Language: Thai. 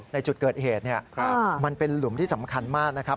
ในจุดเกิดเหตุมันเป็นหลุมที่สำคัญมากนะครับ